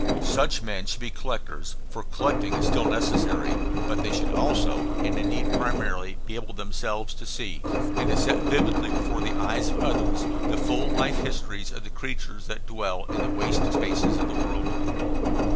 Such men should be collectors, for collecting is still necessary; but they should also, and indeed primarily, be able themselves to see, and to set vividly before the eyes of others, the full life histories of the creatures that dwell in the waste spaces of the world.